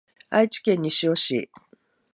愛知県西尾市